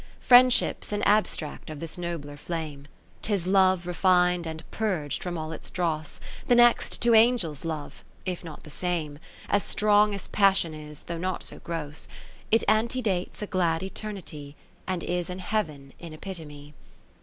II Friendship's an abstractof this nobler flame, 'Tis Love refin'd and purg'd from all its dross, The next to Angels' love, if not the same, As strong as Passion is, though not so gross : 10 It antedates a glad eternity, And is an Heaven in epitome.